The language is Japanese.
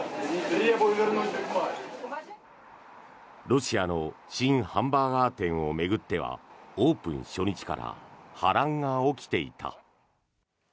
ロシアの新ハンバーガー店を巡ってはオープン初日から波乱が起きていた。